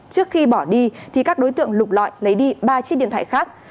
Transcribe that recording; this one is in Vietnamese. trước khi bỏ đi thì các đối tượng lục lọi lấy đi ba chiếc điện thoại khác